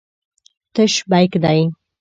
تش بیک دی.